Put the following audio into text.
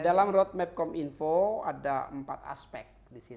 di dalam roadmap kominfo ada empat aspek